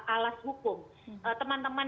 alas hukum teman teman